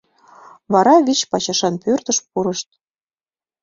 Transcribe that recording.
Вара вич пачашан пӧртыш пурышт.